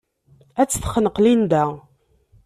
Ad tt-texneq Linda.